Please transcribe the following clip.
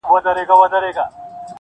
له ناكامه به يې ښځه په ژړا سوه -